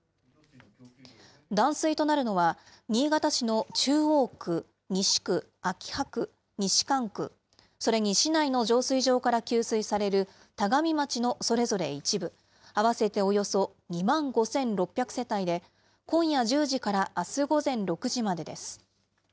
断水となるのは、新潟市の中央区、西区、秋葉区、西蒲区、それに市内の浄水場から給水される田上町のそれぞれ一部、合わせておよそ２万５６００世帯で、今夜１０時からあす午前６時までです。